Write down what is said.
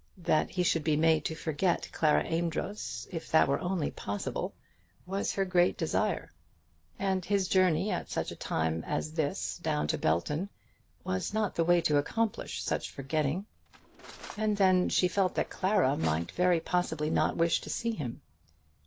That he should be made to forget Clara Amedroz, if that were only possible, was her great desire; and his journey at such a time as this down to Belton was not the way to accomplish such forgetting. And then she felt that Clara might very possibly not wish to see him.